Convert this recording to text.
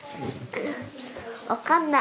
分かんない。